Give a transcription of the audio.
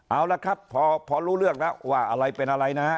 เอาละครับพอรู้เรื่องแล้วว่าอะไรเป็นอะไรนะฮะ